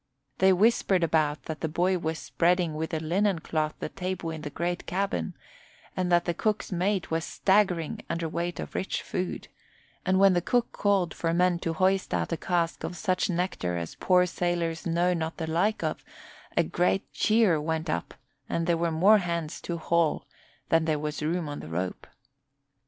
They whispered about that the boy was spreading with a linen cloth the table in the great cabin and that the cook's mate was staggering under weight of rich food; and when the cook called for men to hoist out a cask of such nectar as poor sailors know not the like of, a great cheer went up and there were more hands to haul than there was room on the rope.